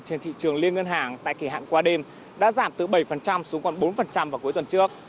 trên thị trường liên ngân hàng tại kỳ hạn qua đêm đã giảm từ bảy xuống còn bốn vào cuối tuần trước